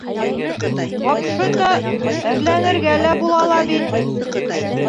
Вапшы-то, эреләнергә лә була ла бит...